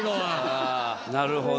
あなるほど。